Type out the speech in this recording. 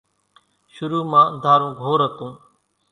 شرو مان انڌارو گھور ھتون